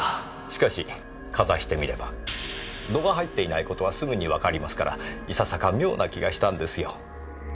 しかしかざしてみれば度が入っていない事はすぐにわかりますからいささか妙な気がしたんですよ。